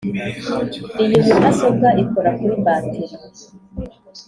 iyi mudasobwa ikora kuri bateri.